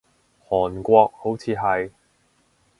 韓國，好似係